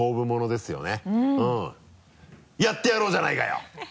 やってやろうじゃないかよ！